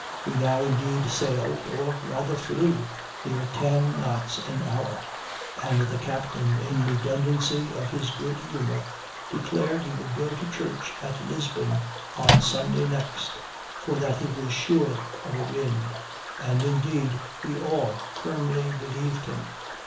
We now indeed sailed, or rather flew, near ten knots an hour; and the captain, in the redundancy of his good humor, declared he would go to church at Lisbon on Sunday next, for that he was sure of a wind; and, indeed, we all firmly believed him.